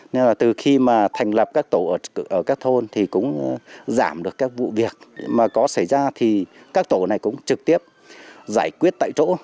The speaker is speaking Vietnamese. nên là từ khi mà thành lập các tổ ở các thôn thì cũng giảm được các vụ việc mà có xảy ra thì các tổ này cũng trực tiếp giải quyết tại chỗ